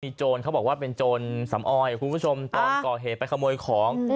โจรเขาบอกว่าเป็นโจรสำออยคุณผู้ชมตอนก่อเหตุไปขโมยของ